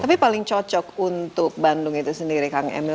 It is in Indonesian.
tapi paling cocok untuk bandung itu sendiri kang emil